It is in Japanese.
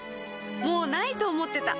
もう無いと思ってた